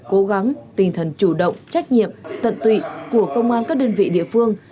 cố gắng tinh thần chủ động trách nhiệm tận tụy của công an các đơn vị địa phương